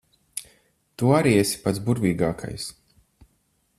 Tu arī esi pats burvīgākais.